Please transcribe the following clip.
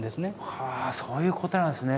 はあそういうことなんですね。